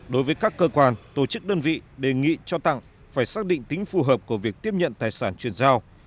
đối với các cơ quan tổ chức đơn vị đề nghị cho tặng phải xác định tính phù hợp của việc tiếp nhận tài sản chuyển giao